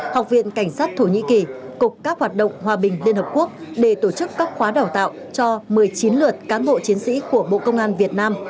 học viện cảnh sát thổ nhĩ kỳ cục các hoạt động hòa bình liên hợp quốc để tổ chức các khóa đào tạo cho một mươi chín lượt cán bộ chiến sĩ của bộ công an việt nam